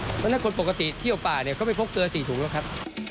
เพราะฉะนั้นคนปกติเที่ยวป่าเนี่ยก็ไม่พกเกลือ๔ถุงแล้วครับ